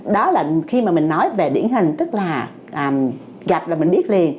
đó là khi mà mình nói về điển hình tức là gặp là mình biết liền